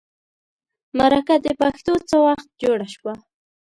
مرکه د پښتو څه وخت جوړه شوه.